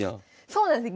そうなんです。